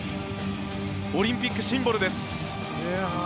オリンピックシンボルです。